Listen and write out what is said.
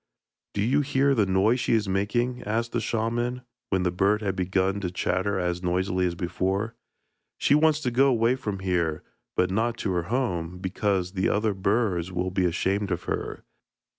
'Do you hear the noise she is making?' asked the shaman, when the bird had begun to chatter as noisily as before. 'She wants to go away from here, but not to her home, because the other birds will be ashamed of her.